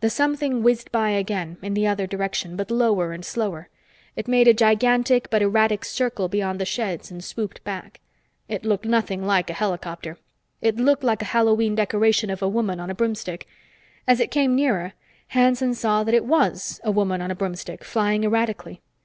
The something whizzed by again, in the other direction, but lower and slower. It made a gigantic but erratic circle beyond the sheds and swooped back. It looked nothing like a helicopter. It looked like a Hallowe'en decoration of a woman on a broomstick. As it came nearer, Hanson saw that it was a woman on a broomstick, flying erratically.